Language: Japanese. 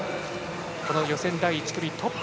この予選第１組トップ。